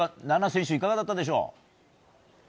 菜那選手、いかがだったでしょう。